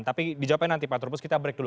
tapi dijawabkan nanti pak turbus kita break dulu